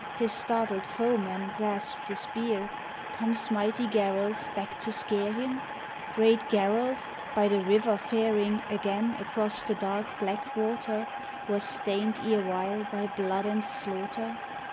His startled foeman grasps the spear — Comes mighty Garalth back to scare him ? Great Garalth by the river faring Again across the dark Blackwater Was stained erewhile by blood and slaughter